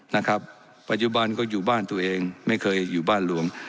นะครับปัจจุบันก็อยู่บ้านตัวเองไม่เคยอยู่บ้านหลวง